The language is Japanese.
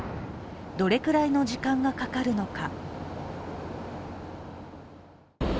どれくらいの時間がかかるのか。